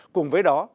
cùng với đó